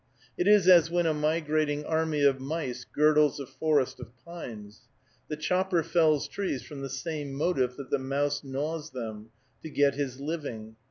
It is as when a migrating army of mice girdles a forest of pines. The chopper fells trees from the same motive that the mouse gnaws them, to get his living.